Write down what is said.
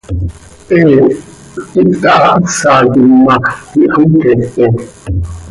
He hptahahásaquim ma x, ihxoqueepe.